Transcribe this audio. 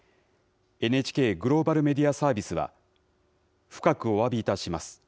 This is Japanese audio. ＮＨＫグローバルメディアサービスは、深くおわびいたします。